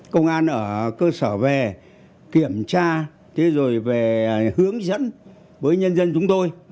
công an ở cơ sở về kiểm tra thế rồi về hướng dẫn với nhân dân chúng tôi